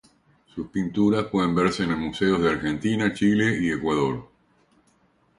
Sus pinturas pueden verse en museos de Argentina, Chile y Ecuador.